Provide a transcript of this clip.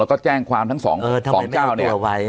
แล้วก็แจ้งความทั้งสองเจ้าเนี่ย